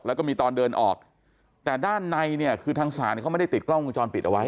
แล้วก็มีตอนเดินออกแต่ด้านในเนี่ยคือทางศาลเขาไม่ได้ติดกล้องวงจรปิดเอาไว้